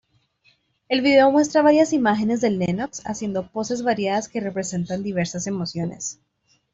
El vídeo muestra varias imágenes de Lennox haciendo poses variadas que representan diversas emociones.